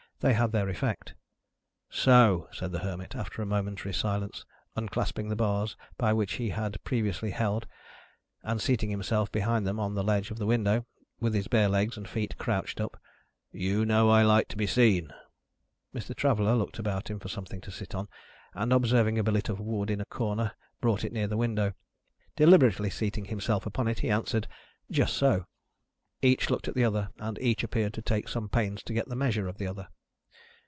They had their effect. "So," said the Hermit, after a momentary silence, unclasping the bars by which he had previously held, and seating himself behind them on the ledge of the window, with his bare legs and feet crouched up, "you know I like to be seen?" Mr. Traveller looked about him for something to sit on, and, observing a billet of wood in a corner, brought it near the window. Deliberately seating himself upon it, he answered, "Just so." Each looked at the other, and each appeared to take some pains to get the measure of the other.